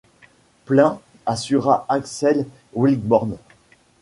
Plein… assura Axel Wickborn.